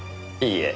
いいえ。